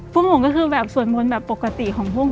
พวกผมก็คือแบบสวดมนต์ปกติของพวกผมค่ะ